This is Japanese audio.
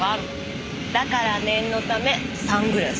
だから念のためサングラス。